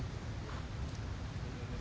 saya ingin menjadi alam